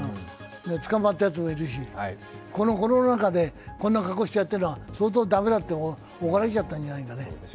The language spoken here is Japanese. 捕まったやつもいるし、このコロナ禍でこんな格好してやってるのは相当駄目だって怒られちゃったんじゃないかね。